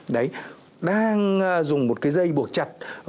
đấy đang dùng một cái dây buộc chặt